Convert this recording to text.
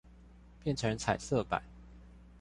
變成彩色版